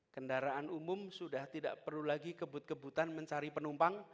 kendaraan umum sudah tidak perlu lagi kebut kebutan mencari penumpang